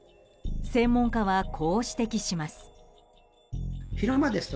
専門家はこう指摘します。